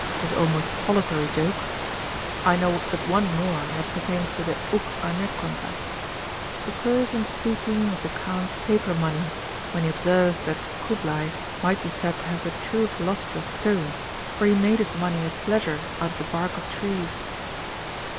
His almost solitary joke (I know but one more, and it pertains to the ovK avriKovTo^ occurs in speaking of the Kaan's paper money when he observes that Kublai might be said to have the true Philosopher's Stone, for he made his money at pleasure out of the bark of Trees.